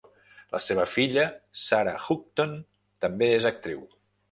La seva filla Sara Houghton també és actriu.